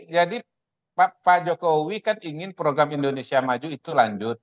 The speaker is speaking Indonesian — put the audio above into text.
jadi pak jokowi kan ingin program indonesia maju itu lanjut